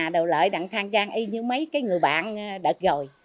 đồ lợi đặng thang trang y như mấy cái người bạn đợt rồi